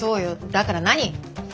だから何？